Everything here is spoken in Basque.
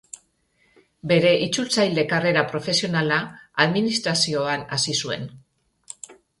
Bere itzultzaile karrera profesionala administrazioan hasi zuen.